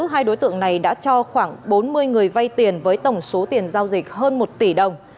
hai đối tượng này đã cho khoảng bốn mươi người vay tiền với tổng số tiền giao dịch hơn một tỷ đồng